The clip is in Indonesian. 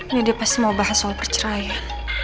ini dia pasti mau bahas soal perceraian